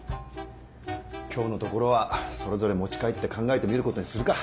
今日のところはそれぞれ持ち帰って考えてみることにするか。